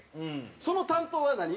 その担当は何？